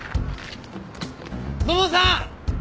土門さん！